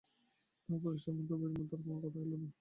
তাহার পরে এ সম্বন্ধে উভয়ের মধ্যে আর-কোনো কথাই হইল না।